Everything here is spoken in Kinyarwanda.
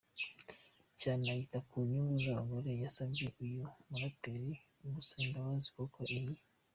cyane iyita ku nyungu zabagore yasabye uyu muraperi gusaba imbabazi kuko iyi.